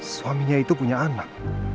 suaminya itu punya anak